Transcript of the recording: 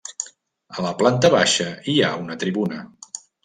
A la planta baixa hi ha una tribuna.